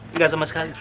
enggak sama sekali